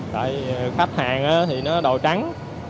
tại khách hàng thì nó đồ trắng